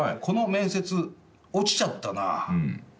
「この面接落ちちゃったな」